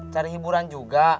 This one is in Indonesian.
cari hiburan juga